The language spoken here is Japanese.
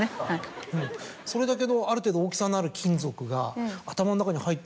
それだけのある程度大きさのある金属が。